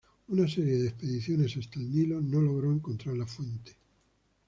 Una serie de expediciones hasta el Nilo no logró encontrar la fuente.